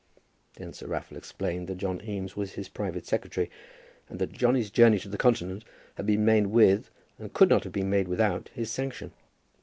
Then Sir Raffle explained that John Eames was his private secretary, and that Johnny's journey to the Continent had been made with, and could not have been made without, his sanction.